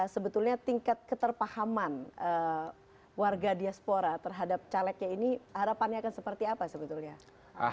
sebetulnya tingkat keterpahaman warga diaspora terhadap calegnya ini harapannya akan seperti apa sebetulnya